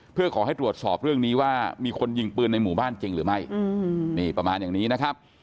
เพื่อขอให้ตรวจสอบเรื่องนี้ว่ามีคนยิงปืนในหมู่บ้านจริงหรือไม่นี่ประมาณอย่างนี้นะครับ